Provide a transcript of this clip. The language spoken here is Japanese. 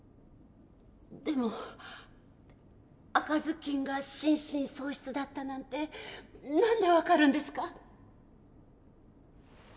でも赤ずきんが心神喪失だったなんて何で分かるんですか？